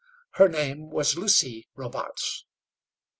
Her name was Lucy Robarts.